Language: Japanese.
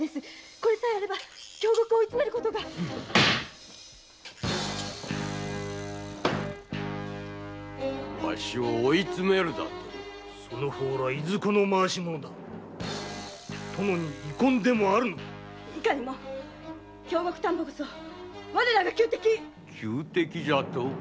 これさえあれば京極を追いつめることがわしを追いつめるだとその方らどこの回し者だ殿に遺恨でもあるのかいかにも京極丹羽こそ我らが仇敵仇敵じゃと？